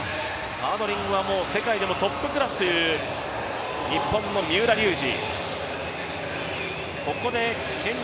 ハードリングはもう世界でもトップクラスという日本の三浦龍司。